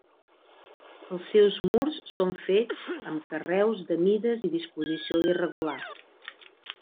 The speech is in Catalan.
Els seus murs són fets amb carreus de mides i disposició irregular.